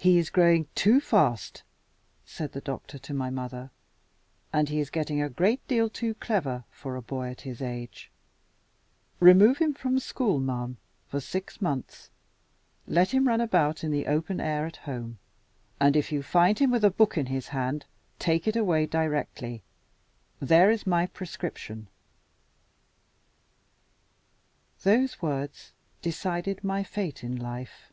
"HE is growing too fast," said the doctor to my mother; "and he is getting a great deal too clever for a boy at his age. Remove him from school, ma'am, for six months; let him run about in the open air at home; and if you find him with a book in his hand, take it away directly. There is my prescription." Those words decided my fate in life.